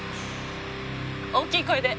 大きい声で。